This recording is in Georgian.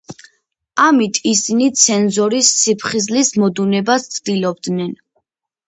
ამით ისინი ცენზორის სიფხიზლის მოდუნებას ცდილობდნენ.